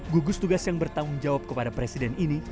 gugus tugas yang bertanggung jawab kepada presiden ini